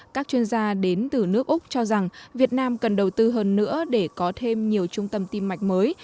các chuyên gia đến từ nước úc cho rằng việt nam cần đầu tư hơn nữa để có thêm nhiều trung tâm tim mạch mới